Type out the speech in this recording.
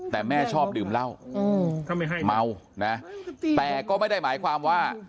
แต่แม่ชอบดื่มเหล้าเมานะแต่ก็ไม่ได้หมายความว่า